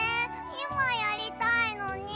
いまやりたいのに。